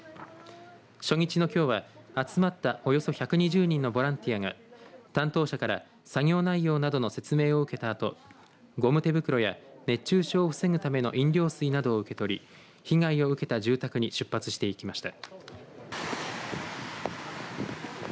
初日のきょうは集まったおよそ１２０人のボランティアが担当者から作業内容などの説明を受けたあとゴム手袋や熱中症を防ぐための飲料水などを受け取り被害を受けた住宅に出発していきました。